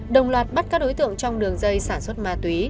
đồng loạt bắt các đối tượng trong đường dây sản xuất ma túy